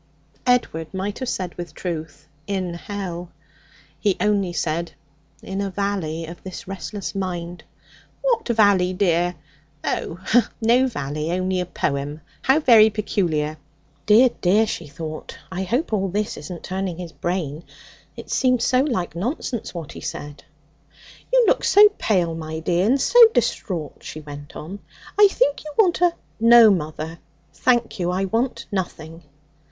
Edward might have said with truth, 'In hell.' He only said: 'In a valley of this restless mind.' 'What valley, dear? Oh, no valley, only a poem?' How very peculiar! Dear, dear! she thought; I hope all this isn't turning his brain; it seemed so like nonsense what he said. 'You look so pale, my dear, and so distraught,' she went on; 'I think you want a ' 'No, mother. Thank you, I want nothing.'